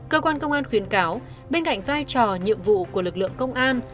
cơ quan công an khuyến cáo bên cạnh vai trò nhiệm vụ của lực lượng công an